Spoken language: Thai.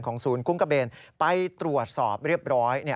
ศูนย์คุ้งกระเบนไปตรวจสอบเรียบร้อย